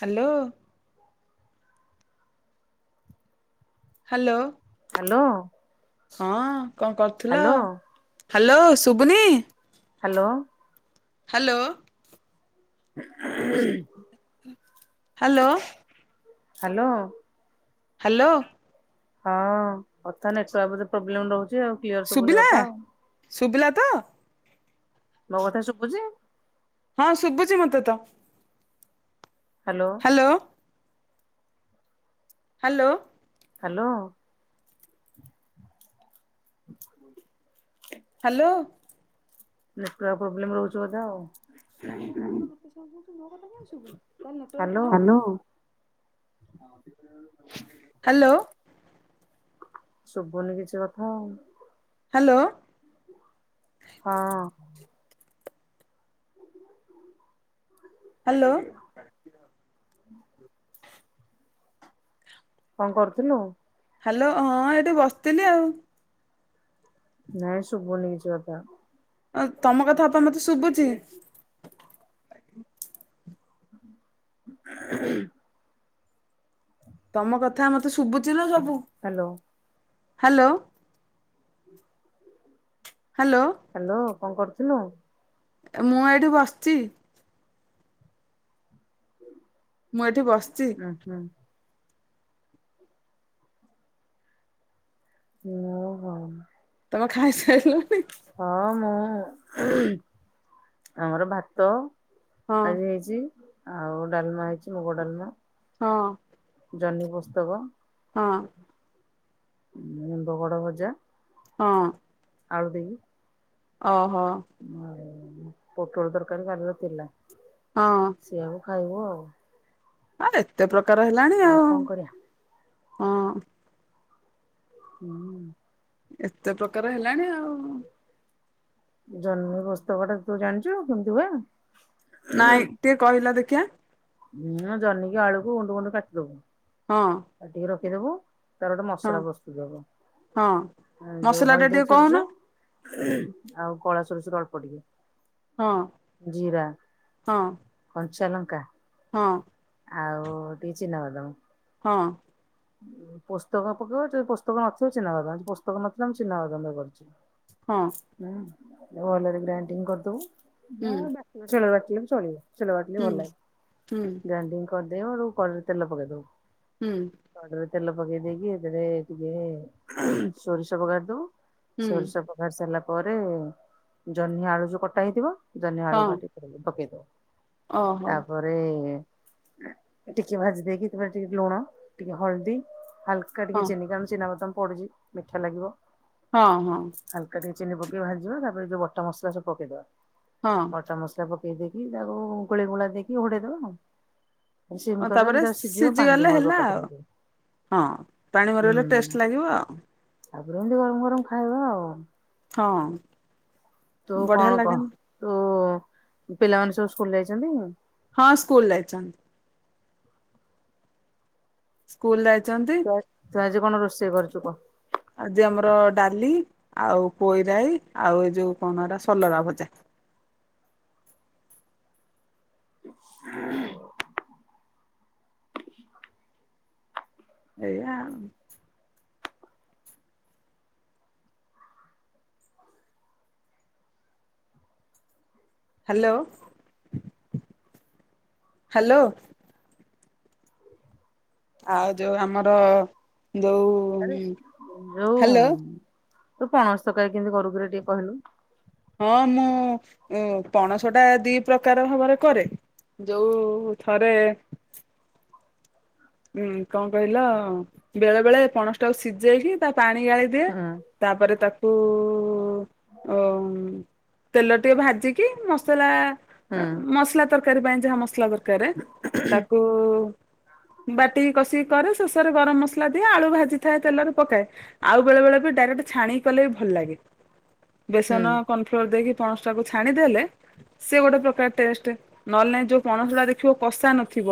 Hello. Hello. Hello. ହଁ! କଣ କରୁଥିଲ? Hello hello! ଶୁବୁନି? Hello. Hello. [inaudible] Hello. Hello. Hello. ହଁ କଥା ନେଟୱର୍କ ବୋଧେ ପ୍ରୋବ୍ଲେମ ରହୁଛି ଆଉ, କ୍ଲିୟର ସବୁନି କଥା ଆଉ। ଶୁଭିଲା ତ? ମୋ କଥା ଶୁଭୁଛି। ହଁ, ଶୁଭୁଛି ମୋତେ ତ। Hello hello hello hello network problem ରହୁଛି ବୋଧେ ଆଉ। ତାଙ୍କ କଥା ମୋତେ ଶୁଭୁଛି ମୋ କଥା କାଇଁ ଶୁଭୁନି ତାହେଲେ ନେଟୱର୍କ କାହାର ପ୍ରବଲେମ୍ ହ୍ୟାଲୋ ହ୍ୟାଲୋ ଶୁଭୁନି କିଛି କଥା ଆଉ ହ୍ୟାଲୋ ହଁ ହ୍ୟାଲୋ କଣ କରୁଥିଲୁ ହ୍ୟାଲୋ ହଁ ଏଠି ବସିଥିଲି ଆଉ ନାଇଁ ଶୁଭୁନି କିଛି କଥା ଆ ତମ କଥା ଅପା ମୋତେ ଶୁଭୁଛି ଉହୁଁ ତମ କଥା ମତେ ଶୁଭୁଛି ଲୋ ସବୁ ହ୍ୟାଲୋ ହ୍ୟାଲୋ ହ୍ୟାଲୋ ହ୍ୟାଲୋ କଣ କରୁଥିଲୁ ମୁଁ ଏଇଠି ବସିଛି ମୁଁ ଏଠି ବସିଛି ଉଁ ହୁଁ [unintelligible] ତମେ ଖାଇସା ହଁ ମୁଁ ଉହୁଁ ଆମର ଭାତ ହଁ। ଆଜି ହେଇଛି ଆଉ ଡାଲମା ହେଇଛି ମୁଗ ଡାଲମା। ହଁ ଜହ୍ନି ପୁସ୍ତକ ହଁ ନିମ୍ବ କଢ଼ ଭଜା ହଁ ଆଳୁ ଦହି ଓ ପୋଟଳ ତରକାରୀ କାଲିର ଥିଲା। ହଁ ସେଇଆକୁ ଖାଇବୁ ଆଉ ଆରେ ଏତେ ପ୍ରକାର ହେଲାଣି ଆଉ କଣ କରିବା ହଁ ହୁଁ ଏତେ ପ୍ରକାର ହେଲାଣି ଆଉ ଜହ୍ନି ପୋସ୍ତକଟା ତୁ ଜାଣିଛୁ କେମିତି ହୁଏ? ନାଇଁ ଟିକେ କହିଲ ଦେଖିିବା ହୁଁ ଜହ୍ନିିକି ଆଳକୁ ଗୁଣ୍ଡ ଗୁଣ୍ଡ କାଟିଦବୁ ହଁ ଦବୁ ତାର ଗୋଟେ ହଁ ମସଲା ପ୍ରସ୍ତୁତ ହବ ହଁ ଯୋଉ ମସଲା ଟା ହଳଦିଆ ଟିକେ ସୋରିଷ କହୁନ ଉହୁଁ ଆଉ କଳା ସୋରଷରୁ ଅଳ୍ପ ଟିକେ ହଁ ଜିରା ହଁ କଞ୍ଚାଲଙ୍କା ହଁ ଆଉ ଟିକେ ଚିନାବାଦମ ହଁ। ଉଁ ପୋସ୍ତକ ପକେଇବ ଯଦି ପୋସ୍ତକ ନଥିବ ଚିନାବାଦାମ ଆଜି ପୋସ୍ତକ ନଥିଲା ଆମେ ଚିନାବାଦମରେ କରିଛୁ। ହଁ ହୁଁ ଅରୁଆରେ ଗ୍ରାଇଣ୍ଡିଙ୍ଗ୍ କରିଦବୁ ହୁଁ ଏ ବାଟିବ ଶୀଳରେ ବାଟି ବାଟିଲେ ବି ଚଳିବ ଶୀଳରେ ବାଟିଲେ ହୁଁ ଭଲ ହୁଁ ଲାଗେ ଗ୍ରାଇଣ୍ଡିଙ୍ଗ୍ କରିଦିଅରୁ କଢେଇରେ ତେଲ ପକେଇ ଦବ। ହୁଁ। ତେଲ ପକେଇ ଦେଇକି ସେଥିରେ ଟିକେ ସୋରିଷ ବଘାରି ଦବୁ ହୁଁ ସୋରିଷ ବଘାରିସାରିଲା ପରେ ଜହ୍ନି ଆଳୁ ଯୋଉ କଟା ହେଇଥିବ ଜହ୍ନି ଆଳୁ ହଁ ଭାଜିକି ପକେଇଦବ ଓହୋ ତାପରେ ଟିକେ ଭାଜି ଦେଇକି ତାପରେ ଟିକେ ଲୁଣ ଟିକେ ହଳଦୀ ହାଲକା ହଁ ଟିକେ ଚିନି କାରଣ ଚିନାବାଦାମ ପଡିଛି ମିଠା ଲାଗିବ। ହଁ ହଁ। ହାଲକା ଟିକେ ଚିନି ପକେଇ ଭାଜିବା ତାପରେ ଯୋଉ ବଟା ମସଲା ସବୁ ପକେଇଦବା ବଟା ମସଲା ପ ପକେଇ ଦେଇକି ତାକୁ ଗୋଳେଇ ଗୋଳା ଦେଇକି ଘୋଡେଇ ଦବା ଆଉ। ସିମ୍ ହଁ କରିଦବା ସେ ତାପରେ ତାର ସିଝିବ ପାଣି ସିଝିଗଲେ ବି ମରିବ ହେଲା ତା ଆଉ ଦେହେରେ। ହଁ ପାଣି ମରିଗଲେ ହୁଁ ଟେଷ୍ଟ୍ ଲାଗିବ ଆଉ। ତାପରେ ଏମିତି ଗରମ ଗରମ ଖାଇବା ଆଉ। ହଁ। ତୁ ବଢିଆ କଣ କହ ଲାଗେନି ତୋ ପିଲାମାନେ ସବୁ ସ୍କୁଲ ଯାଇଛନ୍ତି? ହଁ ସ୍କୁଲ ଯାଇଛନ୍ତି। ସ୍କୁଲ ଯାଇ ଛନ୍ତି ତୁ ଆଜି କଣ ରୋଷେଇ କରିଛୁ କହ? ଆଜି ଆମର ଡାଲି। ଆଉ ପୋଇରାଇ ଆଉ ଏଇ ଯୋଉ କଣବା ସେଇଟା ସଲରା ଭଜା ଆଉ ଏଇଆ ଆଉ। Hello hello. ଆଉ ଯୋଉ ଆମର ଯୋଉ ଉଁ ଯୋଉଁ ତୁ ପଣସ ତକାରୀ କେମିତି କରୁକିରେ ଟିକେ କହିଲୁ? ହଁ ମୁଁ ଉଁ ପଣସଟା ଦି ପ୍ରକାର ଭାବରେ କରେ। ଯୋଉ ଥରେ ହୁଁ କଣ କହିଲ ବେଳେ ବେଳେ ପଣସଟାକୁ ସିଝେଇକି ତା ପାଣି ଗାଳି ଦିଏ ହୁଁ ତାପରେ ତାକୁ ଅ ତେଲରେ ଟିକେ ଭାଜିକି ମସଲା ହୁଁ ଏଁ ମସଲା ତରକାରୀ ପାଇଁ ଯାହା ମସଲା ଦର କରେ ତାକୁ ବାଟିକି କଷିକି କରେ ଶେଷରେ ଗରମ ମସଲା ଦିଏ ଆଳୁ ଭାଜିଥାଏ ତେଲରେ ପକାଏ ଆଉ ବେଳେ ବେଳେ ବି ଡାଇରେକ୍ଟ ଛାଣିକି କଲେ ବି ଭଲ ଲାଗେ ହୁଁ ବେସନ କନଫ୍ଲୋର ଦେଇକି ପଣସଟାକୁ ଛାଣି ଦେଲେ ସେ ଗୋଟେ ପ୍ରକାର ଟେଷ୍ଟ୍ ନହେଲେ ନାଇ ଯୋଉ ପଣସ ଗୁଡା ଦେଖିବ କଷା ନଥିବ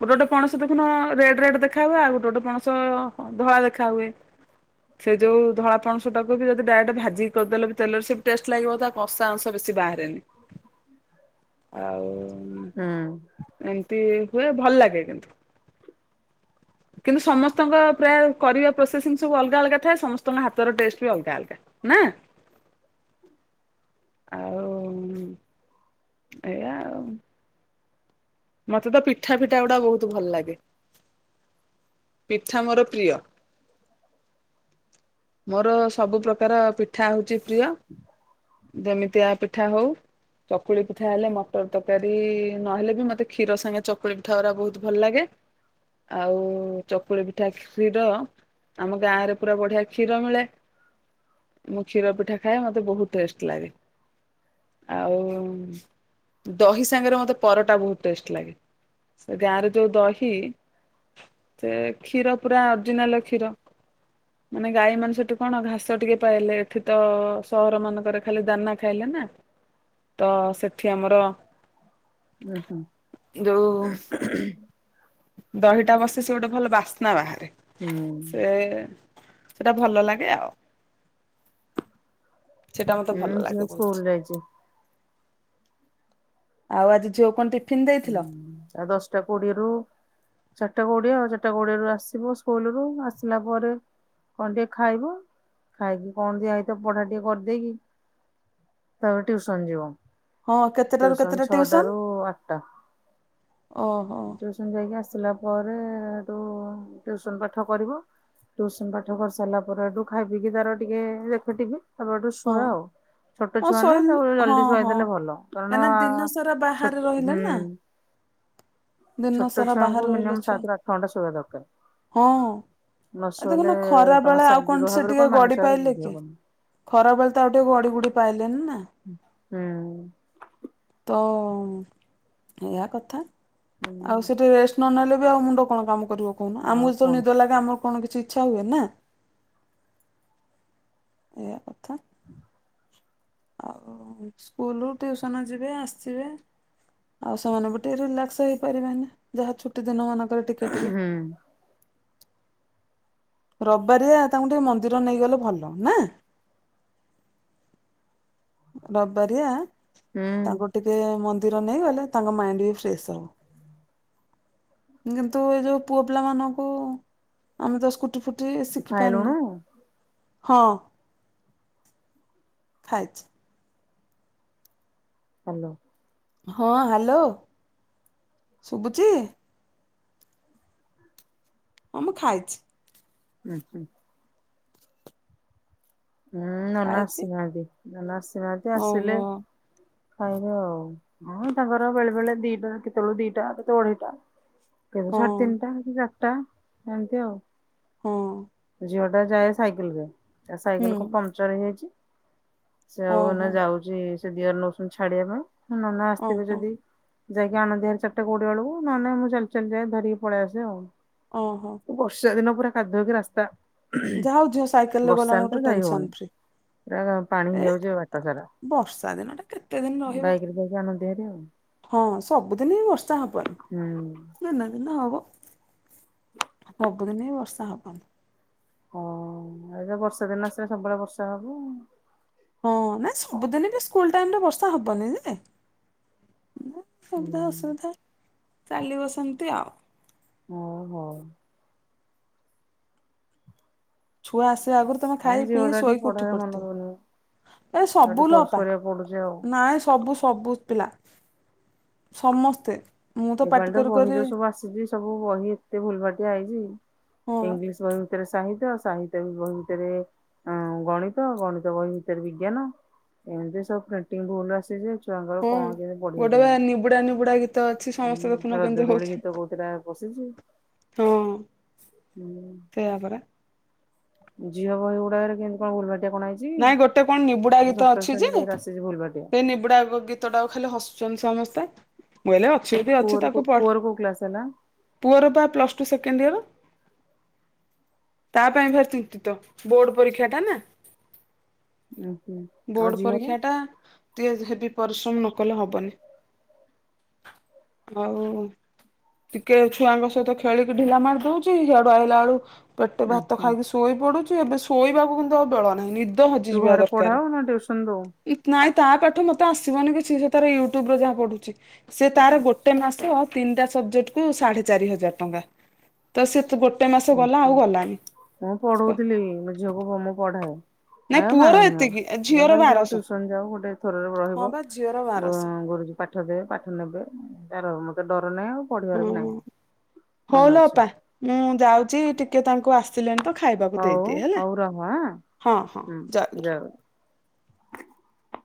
ଗୋଟେ ଗୋଟେ ପଣସତ ସମ୍ପୂର୍ଣ୍ଣ ରେଡ୍ ରେଡ୍ ଦେଖା ହୁଏ ଆଉ ଗୋଟେ ଗୋଟେ ପଣସ ଅ ଧଳା ଦେଖା ହୁଏ। ସେ ଯୋଉ ଧଳା ପଣସଟାକୁ ବି ଯଦି ଡାଇରେକ୍ଟ୍ ଭାଜି କରିଦେଲେ ବି ତେଲରେ ସେ ବି ଟେଷ୍ଟ୍ ଲାଗିବ ତା କଷା ଅଂଶ ବେଶୀ ବେଶୀ ବାହାରେନି। ହୁଁ। ଆଉ ହୁଁ। ଏମିତି ହୁଏ ଭଲ ଲାଗେ କିନ୍ତୁ। [inaudible] କିନ୍ତୁ ସମସ୍ତଙ୍କ ପ୍ରାୟ କରିବା ପ୍ରୋସେସିଙ୍ଗ୍ ସବୁ ଅଲଗା ଅଲଗା ଥାଏ ସମସ୍ତଙ୍କ ହାତର ଟେଷ୍ଟ୍ ବି ଅଲଗା ଅଲଗା ନାଁ? [inaudible] ଆଉ ଏଇଆ ଆଉ। ମତେ ତ ପିଠା ଫିଠା ଗୁଡା ବହୁତ ଭଲ ଲାଗେ। ପିଠା ମୋର ପ୍ରିୟ ମୋର ସବୁ ପ୍ରକାର ପି ପିଠା ହଉଚି ପ୍ରିୟ ଯେମିତିଆ ପି ପିଠା ହଉ ଚକୁଳି ପିଠା ହେଲେ ମଟର ତରକାରୀ ନହେଲେ ବି ମତେ କ୍ଷୀର ସାଙ୍ଗେ ଚକ ଚକୁଳି ପିଠା ଉରା ବହୁତ୍ ଭଲ ଲାଗେ ଆଉ ଚକୁଳି ପିଠା କ୍ଷୀର ଆମ ଗାଁ ରେ ପୁରା ବଢିଆ କ୍ଷୀର ମିଳେ। ମୁଁ କ୍ଷୀର ପିଠା ଖାଏ ମତେ ବହୁତ୍ ଟେଷ୍ଟ ଲାଗେ। ଆଉ ଦହି ସାଙ୍ଗରେ ମତେ ପରଟା ବହୁତ୍ ଟେଷ୍ଟ ଲାଗେ। ସେ ଗାଁର ଯଉ ଦହି ସେ କ୍ଷୀର ପୁରା ଅଜିନାଲ କ୍ଷୀର। ମାନେ ଗାଈ ମାନେ ସେଠୁ କଣ ଘାସ ଟିକେ ପାଇଲେ ଏଠି ତ ସହର ମାନଙ୍କରେ ଖାଲି ଦାନା ଖାଇଲା। ନାଁ ତ ସେଠି ଆମର ଜା ହୁଁ ଯୋଉ [inaudible] ଦହିଟା ବସେ ସେ ଗୋଟେ ଭଲ ବାସ୍ନା ବାହାରେ ହୁଁ ସେ ସେଟା ଭଲ ଲାଗେ ଆଉ। ସେଟା ମତେ ଭଲ ହୁଁ ଝିଅ ଲାଗେ ବହୁତ୍। ସ୍କୁଲ ଯାଇଛି। ଆଉ ଆଜି ଝିଅ କୁ କଣ ଟି ହୁଁ ଆଉ ଦଶଟା କୋଡିଏରୁ ଚାରିଟା କୋଡିଏ ଆଉ ଚାରିଟା କୋଡିଏ ରୁ ଆସିବ ସ୍କୁଲ ରୁ ଆସିଲା ପରେ କଣ ଟିକେ ଖାଇବ ଖାଇକି କଣ ଦିଆହେଇ ଥିବ ପଢା ଟିକେ କରିଦେଇକି ତାପରେ ଟ୍ୟୁସନ ଯିବ ହଁ କେତେଟାରୁ ଟିଉସନ କେତେଟା ଛ ଟିଉସନ? ଟାରୁ ଆ ଟା ଓହୋ ଟ୍ୟୁସନ ଯାଇକି ଆସି ଆସିଲା ପରେ ହେଟୁ ଟ୍ୟୁସନ ପାଠ କରିବ। ଟ୍ୟୁସନ ପାଠ କରି ସାରିଲା ପରେ ହେଟୁ ଖାଇ ପିିଇ କି ତାର ଟିକେ ଦେଖେ ଟିଭି ତାପରେ ହେଟୁ ହଁ ଶୁଏ ଆଉ। ଛୋଟ ହଁ ଛୁଆ ନା ଶୋଇଲ ତାକୁ ହଁ ଜଲଦି ହଁ ଶୁଆଇଦେଲେ ଭଲ କାରଣ କାହିଁକିନା ଦିନ ସାରା ଛୋଟ ବାହାରେ ରହିଲେ ହୁଁ। ନା ଦିନ ଛୋଟ ସାରା ଛୁଆଙ୍କୁ ବାହାରେ ରହିଲେ ମିନିମମ୍ ଛୁଆ ସାତରୁ ଆଠ ଘଣ୍ଟା ଶୋଇବା ଦରକାର ହଁ। ନ ଆଉ ଶୋଇଲେ ଦେଖୁନୁ ଖରା ତମ ବେଳେ ଆଉ ଶାରୀରିକ କଣ ସେ ଭାବରେ ଟିକେ ଗଡି ମାନସିକ ଭାବରେ ପାଇଲେ ବୃଦ୍ଧି କି? ହବନି ଖରା ବେଳେ ତ ଆଉ ଟିକେ ଗଡି ଗୁଡି ପାଇଲେନି ନା? ହୁଁ। ତ ଏଇଆ କଥା ଆଉ ହୁଁ ସେଠି ରେଷ୍ଟ ନ ନେଲେ ବି ଆଉ ମୁଣ୍ଡ କଣ କାମ କରିଵ। କରିବ କହୁନୁ ଆଉ ଆମକୁ ଯେତେବେଳେ କଣ ନିଦ ଲାଗେ ଆମର କଣ କିଛି ଇଛା ହୁଏ ନା? ଏଇଆ କଥା। [inaudible] ଆଉ ସ୍କୁଲୁ ଟିଉସନ ଯିବେ ଆସିବେ। ଆଉ ସେମାନଙ୍କୁ ଟିକେ ରିଲାକ୍ସ ହେଇପାରିବେନି ଯାହା ଛୁଟି ଦିନ ମାନ ର ଟିକେ ଟିକେ। ହୁଁ ରବାରିଆ ତାଙ୍କୁ ଟିକେ ମନ୍ଦିର ନେଇଗଲେ ଭଲ ନା। ରବାରିଆ ହୁଁ। ତାଙ୍କୁ ଟିକେ ମନ୍ଦି ର ନେଇ ଗଲେ ତାଙ୍କ ମାଇଣ୍ଡ ବି ଫ୍ରେଶ ହବ। କିନ୍ତୁ ଏଇ ଯୋଉ ପୁଅ ପିଲା ମାନଙ୍କୁ ଆମେ ତ ସ୍କୁଟି ଫୁଟି ତୁ ଶିଖି ଖାଇଲୁଣୁ ପାରୁନୁ ହଁ ଖାଇଛି। ହାଲୋ। ହଁ ହାଲୋ ଶୁଭୁଛି? ହଁ ମୁଁ ଖାଇଛି। ହୁଁ। ହୁଁ ଖାଇଛି ନନାଆସିନାହାନ୍ତି ନନା ଆସିନାହାନ୍ତି ଆସିଲେ ଓହୋ ଖାଇବେ ଆଉ ତାଙ୍କର ବେଳେବେଳେ ଦିଟା ଦିଟା ଦୌଡେଇଲା। କେବେ ହଁ ସାଢ଼େ ତିନିଟା କି ଚାରିଟା ଏମିତି ଆଉ। ହୁଁ। ଝିଅ ଟା ଯାଏ ସାଇକେଲ ରେ ସାଇକେଲ କ ହୁଁ ପଞ୍ଚର ହେଇଯାଇଛି। ସେ ଆଉ ନା ଓହୋ ଯାଉଛି ସେ ଦିଅରେ ନଉଛନ୍ତି ଛାଡିବା ପାଇଁ ନନା ଆସିଥିବେ ଓହୋ ଯଦି ଯାଇକି ଆଣନ୍ତି ହାରି ଚାରିଟା କୋଡିଏ ବେଳକୁ ନହେଲେ ମୁଁ ଚାଲି ଚାଲି ଯାଏ ଧରିକି ପଳେଇ ଆସେ ଓହୋ ଆଉ ବର୍ଷା ଦିନ ପୁରା କାଦୁଅ କି ରାସ୍ତା ଯା ହଉ ଝିଅ ସାଇକେଲ୍ ରେ ବର୍ଷା ହେଲେ ତ ଗଲାଣିଠୁ ଯାଇ ଟେନସନ୍ ହଉନି ଫ୍ରୀ ପୁରା ପାଣି ଏଁ ବର୍ଷା ଦିନ ଟା କେତେ ଦିନ ରହିବ। ବାଇକ୍ ରେ ବୋଉକୁ ଆଣନ୍ତେ ହେରି ଆଉ ହଁ ସବୁଦିନି ବର୍ଷା ହବନି ହୁଁ। ଦିନେ ଦିନେ ହବ। ସବୁଦିନି ବର୍ଷା ହବନି। ହ ଏବେ ବର୍ଷା ଦିନ ଆସିଲେ ସବୁବେଳେ ବର୍ଷା ହବ। ହଁ ନାଁ ସବୁଦିନେ ବି ସ୍କୁଲ୍ ଟାଇମ୍ ଟା ବର୍ଷା ହବନେଇ ଯେ ହୁଁ ସୁବିଧା ଅସୁବିଧା ଚାଲିବ ସେମତି ଆଉ ହୋଉ ହୋଉ ଛୁଆ ଆସିବା ଆଗରୁ ତମେ ଏ ଖାଇ ପିଇ ଝିଅଟା ଟିକେ ଶୋଇକି ଉଠି ପଢାରେ ମନ ଦଉନି ପଡିଥିବ। ଏ ତାକୁ ଟିକେ ସବୁ ଫୋର୍ସ ଲୋପା କରିବାକୁ ପଡୁଛି ଆଉ। ନାଇଁ ସବୁ ସବୁ ପିଲା ସମସ୍ତେ ମୁଁ ଏ ପାଟି ପାଳି ତ କରୁ ବହି କରୁ ଯୋଉ ସବୁ ଆସିଛି ସବୁ ବହି ଏତେ ଭୁଲ୍ ଭାଟିଆ ହେଇଛି। ହଁ ବା ଇଂଲିଶ୍ ବହି ଭିତରେ ସାହି ସାହିତ୍ୟ ବହି ଭିତରେ ଗଣିତ ଗଣିତ ବହି ଭିତରେ ବିଜ୍ଞାନ ଏମିତି ସବୁ ପ୍ରିଣ୍ଟିଙ୍ଗ ଭୁଲ୍ ଆସିଛି ଯେ ଛୁଆଙ୍କର ହଁ କଣ କେମିତି ପଢିବେ ଗୋଟେ ବା କେଜାଣି। ନିବୁଡା ନିବୁଡା ଗୀତ ଅଛି ସମସ୍ତେ ହୁଁ ଦେଖୁନ ରଜ କେମିତି ଦୋଳି ଗୀତ ହଉଛନ୍ତି କୋଉଥିଟା ପଶିଛି ହଁ ହୁଁ ସେଇଆ ପରା ଝିଅ ବହି ଗୁଡ଼ାକରେ କିନ୍ତି କଣ ଭୁଲ୍ ବାହାରି ନାଇଁ ଗୋଟେ କଣ ନିବୁଡା ଗୀତ ଅଛି ଶ୍ରେଣୀ ଯେ ବହିରେ ଆସିଛି ଭୁଲ ବାଟିଆ। ସେଇ ନିବୁଡା ଗୀତଟା କୁ ଖାଲି ହସୁଛନ୍ତି ସମସ୍ତେ ବୋଇଲା ଆଉ ସେବି ଅଛି ପୁଅର କୋ ତାକୁ ପଠ ପୁଅର କୋଉ କ୍ଲାସ ହେଲା? ପୁଅ ର ପା ପ୍ଲଶ୍ ଟୁ ସେକେଣ୍ଡଇୟର୍। ତା ପାଇଁ ଭାରି ଚିନ୍ତିତ ବୋର୍ଡ ପରୀକ୍ଷା ଟା ନା ଉଁ ହୁଁ ଆଉ ବୋର୍ଡ ଝିଅର? ପରୀକ୍ଷା ଟା ଟିଏ ହେବି ପରିଶ୍ରମ ନ କଲେ ହବନି। ବୋଉ ଟିକେ ଛୁଆଙ୍କ ସହିତ ଖେଳିକି ଢିଲା ମାରି ଦଉଛି। ହିଆଡୁ ଆଇଲା ବେଳୁ ପେଟେ ଉଁ ଭାତ ହୁଁ ଖାଇକି ଶୋଇ ପଡୁଛି। ଏବେ ଶୋଇବାକୁ କିନ୍ତୁ ଆଉ ବେଳ ନାହି। ନିଦ ପହଞ୍ଚି ତୁ ଯିବା ଘରେ ଦରକାର ପଢାଉ ନା ଟ୍ୟୁସନ ଦଉ? [unintelligible] ତା ପାଠ ମୋତେ ଆସିବନି କିଛି ଯେ ତାର ୟୁଟ୍ୟୁବରେ ଯାହା ପଢୁଛି। ସେ ତାର ଗୋଟେ ମାସ ତିନିଟା ସ ସବଜେକ୍ଟ କୁ ସାଢ଼େ ଚାରି ହଜାର ଟଙ୍କା ତ [unintelligible] ଉ ଆଉ ହୁଁ ଗଲାନି ମୁଁ ପଢଉଥିଲି ମୋ ଝିଅକୁ ମୁଁ ମୁଁ ପଢ଼ାଏ। ନାଇଁ ଆଉ ପୁଅର ମାନୁନି ଆଉ ଏତିକି ମୁଁ ଝିଅର କହିଲି ଯାଉ ବାରଶହ ଟ୍ୟୁସନ ଯାଉ ଗୋଟେ ଥରରେ ହଁ ରହିବ ବା ଝିଅର ଗୁ ବାରଶହ -ଗୁରୁଜୀ ପାଠ ଦେବେ ପାଠ ନେବେ ତାର ଡର ନାହିଁ ଆଉ ପଢିବାର ହଁ ବି ନାହିଁ। ହଉ ମନ ଲ ଇଚ୍ଛା ଅପା ମୁଁ ଯାଉଛି ଟିକେ ତାଙ୍କୁ ଆସ ଆସିଲେଣି ତ ଖାଇବାକୁ ହଉ ଦେଇ ଦିଏ ହେଲା। ହଉ ରହ ଆଁ ହଁ ହଁ ହୁଁ ଜୟ ଗୁରୁ ଯାଉ। [unintelligible]